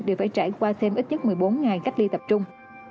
đều phải trải qua thêm ít nhất một mươi bốn ngày cách ly tập trung